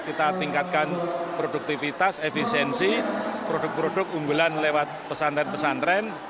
kita tingkatkan produktivitas efisiensi produk produk unggulan lewat pesantren pesantren